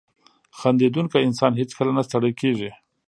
• خندېدونکی انسان هیڅکله نه ستړی کېږي.